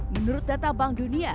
menurut data bank dunia